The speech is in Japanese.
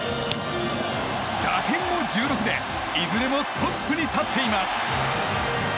打点も１６でいずれもトップに立っています。